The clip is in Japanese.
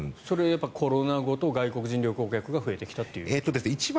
それはコロナ後と外国人観光客が増えてきたという。